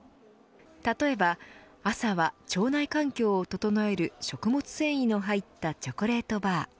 例えば朝は腸内環境を整える食物繊維の入ったチョコレートバー。